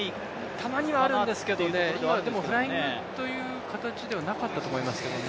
たまにはあるんですけど、今フライングという形ではなかったと思いますけどね。